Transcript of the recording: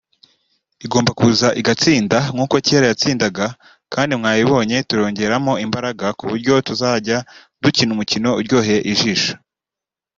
Igomba kuza igatsinda nk’uko kera yatsindaga kandi mwabibonye turongeramo imbaraga ku buryo tuzajya dukina umukino uryoheye ijisho